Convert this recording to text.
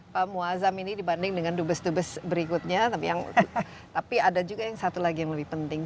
pak muazzam ini dibanding dengan dubes dubes berikutnya tapi ada juga yang satu lagi yang lebih penting